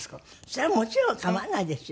それはもちろん構わないですよ。